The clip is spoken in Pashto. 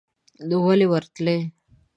نو ولې ور وتلې